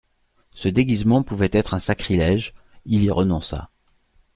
Ce déguisement pouvait être un sacrilège ; il y renonça.